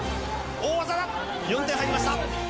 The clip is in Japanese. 大技だ、４点入りました。